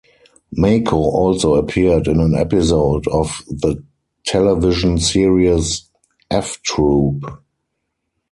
Mako also appeared in an episode of the television series "F Troop".